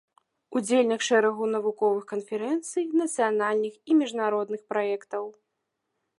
Удзельнік шэрагу навуковых канферэнцый, нацыянальных і міжнародных праектаў.